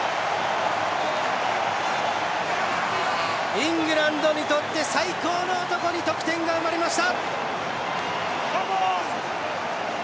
イングランドにとって最高の男に得点が生まれました。